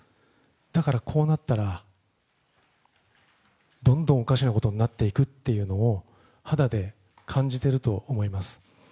だから、こうなったらどんどんおかしなことになっていくというのを肌で感じていると思います。